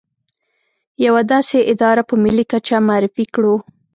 يوه داسې اداره په ملي کچه معرفي کړو.